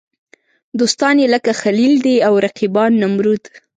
دوستان یې لکه خلیل دي او رقیبان نمرود.